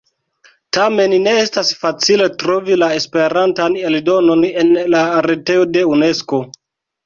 Tamen ne estas facile trovi la Esperantan eldonon en la retejo de Unesko.